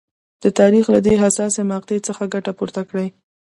د تاریخ له دې حساسې مقطعې څخه ګټه پورته کړي.